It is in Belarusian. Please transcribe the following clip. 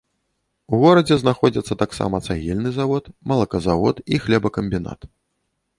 У горадзе знаходзяцца таксама цагельны завод, малаказавод і хлебакамбінат.